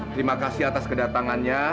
terima kasih atas kedatangannya